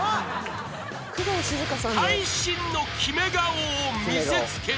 ［会心の決め顔を見せつける］